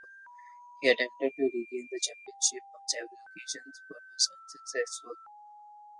He attempted to regain the championship on several occasions, but was unsuccessful.